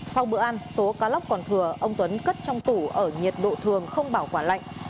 sau bữa ăn số cá lóc còn thừa ông tuấn cất trong tủ ở nhiệt độ thường không bảo quản lạnh